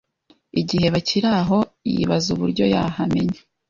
Igihe bakiri aho yibaza uburyo yahamenya